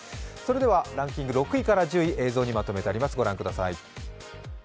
それではランキング６位から１０位を映像にまとめてあります。